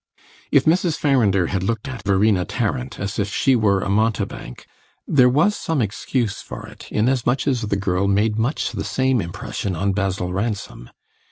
If Mrs. Farrinder had looked at Verena Tarrant as if she were a mountebank, there was some excuse for it, inasmuch as the girl made much the same impression on Basil Ransom.